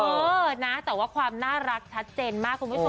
เออนะแต่ว่าความน่ารักชัดเจนมากคุณผู้ชม